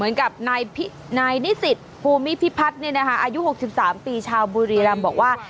นายนิสิทธิ์ภูมิพิพัฒน์อายุ๖๓ปีชาวบุรีรัมป์บอกว่า